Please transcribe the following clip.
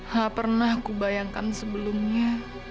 tidak pernah kubayangkan sebelumnya